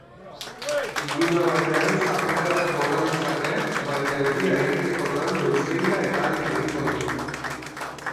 Ilunabarrean zaparradak bota ditzake, baina euria egitekotan noizbehinka eta arin egingo du.